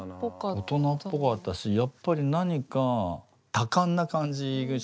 大人っぽかったしやっぱり何か多感な感じがしますよね